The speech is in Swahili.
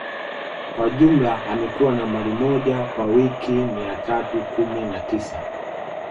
Kwa jumla amekuwa Nambari moja kwa wiki mia tatu kumi na tisa